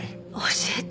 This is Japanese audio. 教えて。